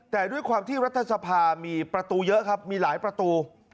แต่ด้วยความที่รัฐสภามีประตูเยอะครับมีหลายประตู